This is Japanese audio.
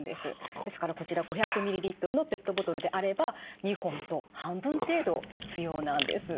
ですからこちら５００ミリリットルのペットボトルであれば２本と半分程度必要なんです。